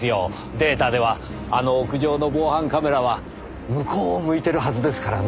データではあの屋上の防犯カメラは向こうを向いているはずですからねぇ。